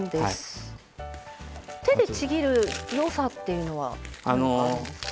手でちぎるよさっていうのは何かあるんですか？